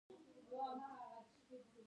انجینران ودانیو او پروسو ته پرمختګ ورکوي.